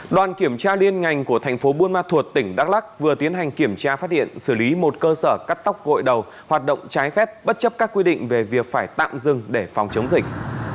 đoàn kiểm tra liên ngành của thành phố buôn ma thuột tỉnh đắk lắc vừa tiến hành kiểm tra phát hiện xử lý một cơ sở cắt tóc gội đầu hoạt động trái phép bất chấp các quy định về việc phải tạm dừng để phòng chống dịch